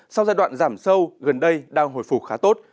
sau giai đoạn giảm sâu gần đây đang hồi phục khá tốt